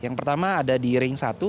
yang pertama ada di ring satu